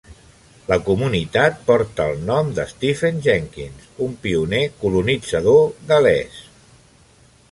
La comunitat porta el nom de Stephen Jenkins, un pioner colonitzador gal·lès.